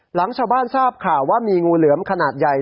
หลังชาวบ้านทราบข่าวว่ามีงูเหลือมขนาดใหญ่